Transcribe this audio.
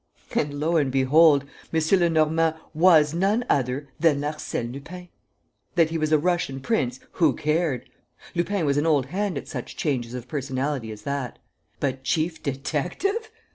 And, lo and behold, M. Lenormand was none other than Arsène Lupin! That he was a Russian prince, who cared! Lupin was an old hand at such changes of personality as that. But chief detective!